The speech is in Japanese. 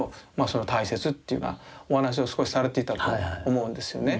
その大切っていうようなお話を少しされていたと思うんですよね。